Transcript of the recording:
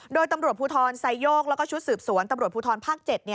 โดยตำรวจภูทรไซโยกแล้วก็ชุดสืบสวนตำรวจภูทรภาค๗